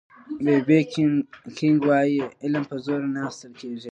بي بي کېنګ وایي علم په زور نه اخيستل کېږي